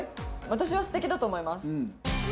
私は素敵だと思います。